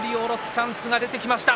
チャンスが出てきました。